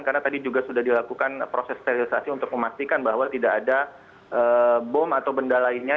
karena tadi juga sudah dilakukan proses sterilisasi untuk memastikan bahwa tidak ada bom atau benda lainnya